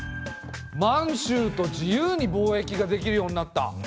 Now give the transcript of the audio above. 満州と自由に貿易ができるようになった。